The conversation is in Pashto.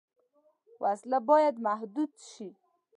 وسله باید محدود شي